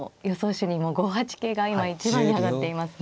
手にも５八桂が今一番に挙がっていますね。